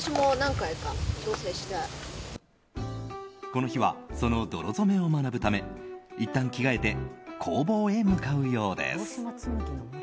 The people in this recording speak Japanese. この日はその泥染めを学ぶためいったん着替えて工房へ向かうようです。